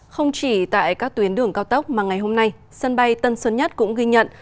không chỉ tại các tuyến đường cao tốc mà ngày hôm nay sân bay tân sơn nhất cũng ghi nhận